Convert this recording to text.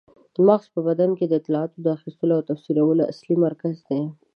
مغز په بدن کې د اطلاعاتو د اخیستلو او تفسیرولو اصلي مرکز دی.